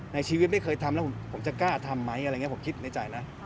ในชีวิตไม่เคยทำแล้วผมจะกล้าทำไหมผมคิดในใจนะ